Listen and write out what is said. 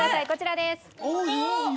こちらです。